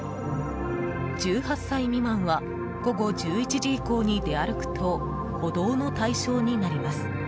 １８歳未満は午後１１時以降に出歩くと補導の対象になります。